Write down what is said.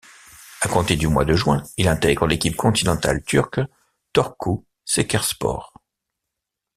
À compter du mois de juin, il intègre l'équipe continentale turque Torku Şekerspor.